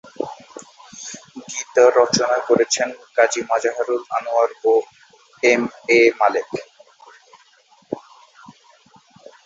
গীত রচনা করেছেন গাজী মাজহারুল আনোয়ার ও এম এ মালেক।